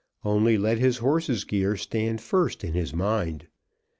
Only let his horses' gear stand first in his mind!